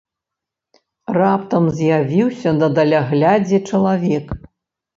Раптам з'явіўся на даляглядзе чалавек.